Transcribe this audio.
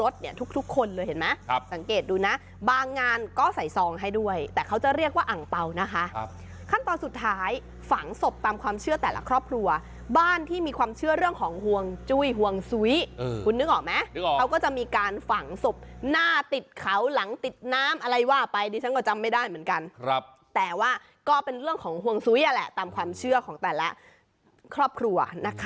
สังเกตดูนะบางงานก็ใส่ซองให้ด้วยแต่เขาจะเรียกว่าอังเปล่านะคะขั้นตอนสุดท้ายฝังศพตามความเชื่อแต่ละครอบครัวบ้านที่มีความเชื่อเรื่องของห่วงจุ้ยห่วงซุ้ยคุณนึกออกไหมเขาก็จะมีการฝังศพหน้าติดเขาหลังติดน้ำอะไรว่าไปดิฉันก็จำไม่ได้เหมือนกันครับแต่ว่าก็เป็นเรื่องของห่วงซุ้ยอ่ะแหละตามความเชื่อของแต่ละครอบครัวนะคะ